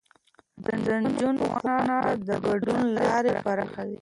د نجونو ښوونه د ګډون لارې پراخوي.